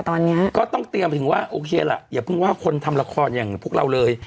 ตอนนี้ก็ต้องเตรียมถึงว่าโอเคล่ะอย่าเพิ่งว่าคนทำละครอย่างพวกเราเลย